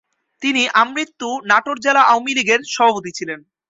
তিনি আমৃত্যু নাটোর জেলা আওয়ামী লীগের সভাপতি ছিলেন।